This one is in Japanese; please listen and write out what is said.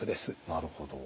なるほど。